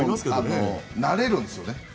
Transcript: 慣れるんですね。